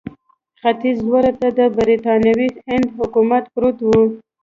ختیځ لوري ته د برټانوي هند حکومت پروت وو.